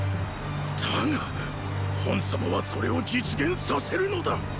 だが賁様はそれを実現させるのだ。